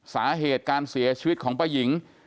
สาเหตุการเสียชีวิตของป้าหญิง